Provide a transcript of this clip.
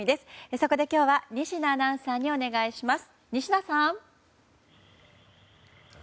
そこで今日は仁科アナウンサーにお願いします。